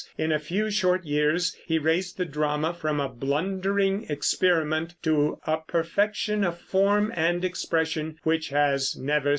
In a few short years he raised the drama from a blundering experiment to a perfection of form and expression which has never since been rivaled.